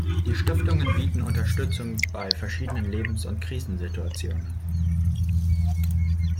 Die Stiftungen bieten Unterstützung in verschiedenen Lebens- und Krisensituationen.